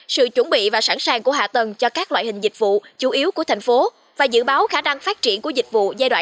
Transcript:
sự chuẩn bị và sẵn sàng của hạ tầng cho các loại hình dịch vụ chủ yếu của thành phố và dự báo khả năng phát triển của dịch vụ giai đoạn hai nghìn hai mươi hai nghìn hai mươi